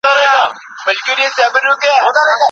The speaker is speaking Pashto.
مشرانو به د ولس د نیکمرغۍ لپاره رښتینی خدمت کاوه.